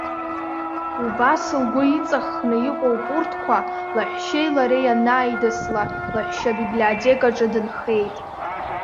Убас лгәы иҵаххны иҟоуп урҭқәа, лаҳәшьеи лареи анааидысла, лаҳәшьа абиблиотекаҿы дынхеит.